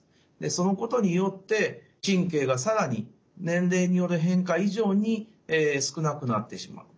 そのことによって神経が更に年齢による変化以上に少なくなってしまう。